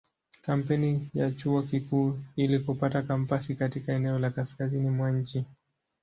Kampeni ya Chuo Kikuu ili kupata kampasi katika eneo la kaskazini mwa nchi.